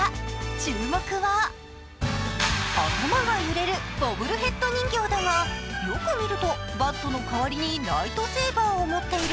注目は注目は頭が揺れるボブルヘッド人形だが、よく見ると、バットの代わりにライトセーバーを持っている。